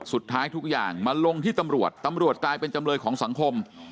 ทุกอย่างมาลงที่ตำรวจตำรวจกลายเป็นจำเลยของสังคม